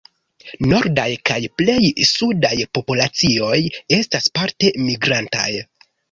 Nordaj kaj plej sudaj populacioj estas parte migrantaj.